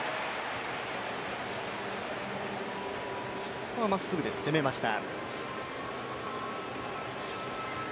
ここはまっすぐで攻めました。